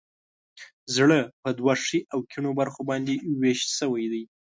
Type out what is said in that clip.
زړه په دوو ښي او کیڼو برخو باندې ویش شوی.